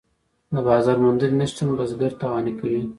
د بازار موندنې نشتون بزګر تاواني کوي.